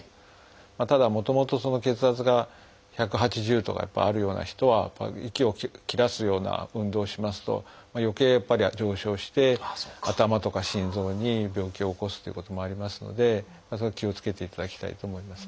ただもともと血圧が１８０とかあるような人は息を切らすような運動をしますとよけいやっぱり上昇して頭とか心臓に病気を起こすということもありますのでそれは気をつけていただきたいと思いますね。